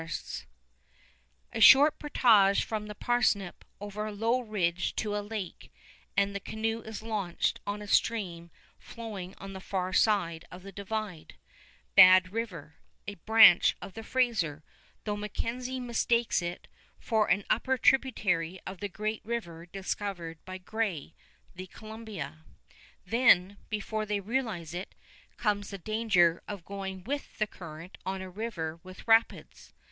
[Illustration: CAUSE OF A PORTAGE] A short portage from the Parsnip over a low ridge to a lake, and the canoe is launched on a stream flowing on the far side of the Divide, Bad River, a branch of the Fraser, though MacKenzie mistakes it for an upper tributary of the great river discovered by Gray, the Columbia. Then, before they realize it, comes the danger of going with the current on a river with rapids.